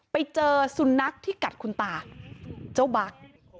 ไปเจอสุนัขที่กัดคุณตาเจ้าบั๊ก